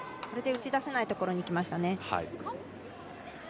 これで打ち出せないところに来ましたね。